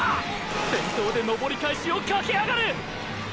先頭で登り返しを駆け上がる！！